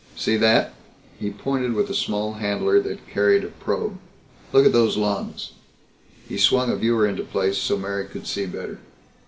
See that?" He pointed with a small handler that carried a probe. "Look at those lungs." He swung a viewer into place so Mary could see better.